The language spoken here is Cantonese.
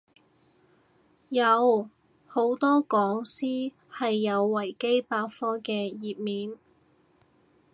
有，好多講師係有維基百科嘅頁面